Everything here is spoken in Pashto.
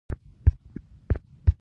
له درهمو سره ډېرو چنو ته اړتیا نه کېږي.